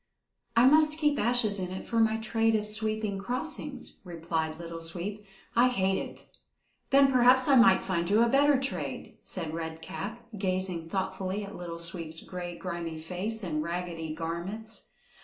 "I must keep ashes in it for my trade of sweeping crossings," replied Little Sweep. "I hate it." "Then perhaps I might find you a better trade," said Red Cap, gazing thoughtfully at Little Sweep's gray grimy face and raggedy garments.